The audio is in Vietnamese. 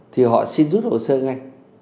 thì họ xin rút hồ sơ ngay